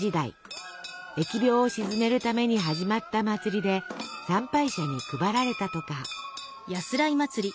疫病を鎮めるために始まった祭りで参拝者に配られたとか。